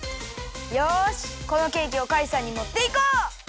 よしこのケーキをカイさんにもっていこう！